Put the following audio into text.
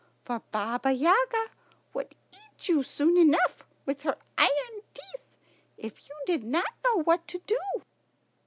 For Baba Yaga would eat you soon enough with her iron teeth if you did not know what to do."